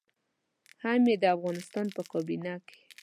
هم يې د افغانستان په کابينه کې.